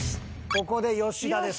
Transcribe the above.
ここで吉田です。